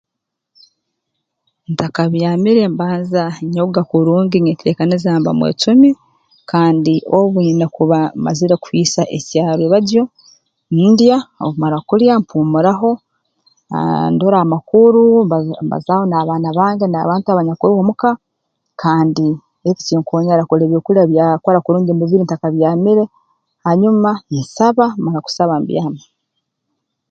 Ntakabyamire mbanza nyoga kurungi nyeteekaniza mba mwecumi kandi obu nyine kuba mmazire kuhiisa ekyarwebagyo ndya obu mmara kulya mpuumuraho aah ndora amakuru mba mbazaaho n'abaana bange n'abantu abanyakuroho muka kandi eki kinkoonyera kurora ngu ebyokulya byakora kurungi mu mubiri ntakabyamire hanyuma nsaba mmara kusaba mbyama